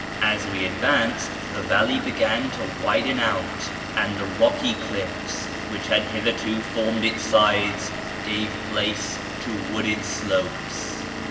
As we advanced, the valley began to widen out, and the rocky cliffs, which had hitherto formed its sides, gave place to FROM KIRMAN to ENGLAND 561 wooded slopes.